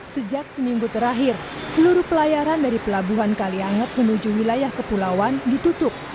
sejak seminggu terakhir seluruh pelayaran dari pelabuhan kalianget menuju wilayah kepulauan ditutup